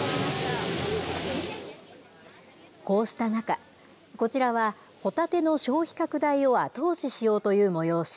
こうした中こちらは、ほたての消費拡大を後押ししようという催し。